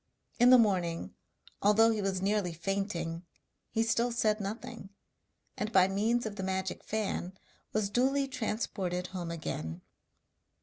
In the morning, although he was nearly fainting, he still said nothing, and by means of the magic fan was duly transported home again.